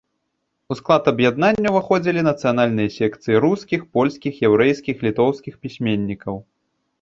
У склад аб'яднання ўваходзілі нацыянальныя секцыі рускіх, польскіх, яўрэйскіх, літоўскіх пісьменнікаў.